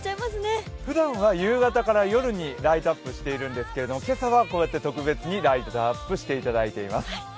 ふだんは夕方から夜にライトアップしているんですが、今朝は特別にライトアップしていただいています。